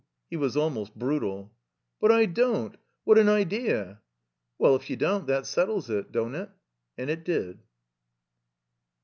He was almost brutal. "But I don't. What an idea!" "Well, if you don't, that settles it. Don't it?" And it did.